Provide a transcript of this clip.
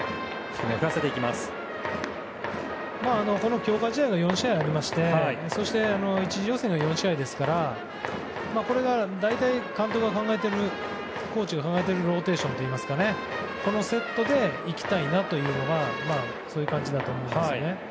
この強化試合は４試合ありましてそして１次予選が４試合ですからこれが大体、監督が考えているコーチが考えているローテーションといいますかこのセットで行きたいという感じだと思いますね。